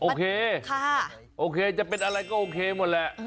โอเคโอเคจะเป็นอะไรก็โอเคหมดแหละ